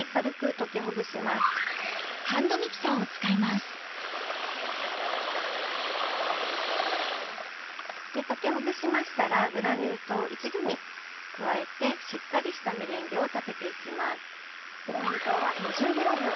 溶きほぐしましたらグラニュー糖を一度に加えてしっかりしたメレンゲを立てていきます。